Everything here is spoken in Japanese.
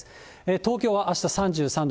東京はあした３３度。